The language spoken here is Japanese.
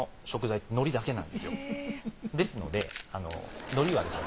ですので海苔はですね